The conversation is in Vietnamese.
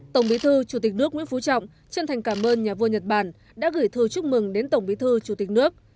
tổng bí thư chủ tịch nước nguyễn phú trọng chân thành cảm ơn nhà vua nhật bản đã gửi thư chúc mừng đến tổng bí thư chủ tịch nước